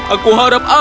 aku harap awan